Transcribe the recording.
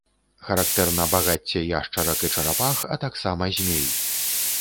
Характэрна багацце яшчарак і чарапах, а таксама змей.